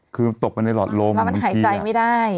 คือตกไปในหลอดลมแล้วมันหายใจไม่ได้